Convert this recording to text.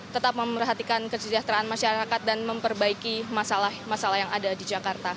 tetap memerhatikan kesejahteraan masyarakat dan memperbaiki masalah masalah yang ada di jakarta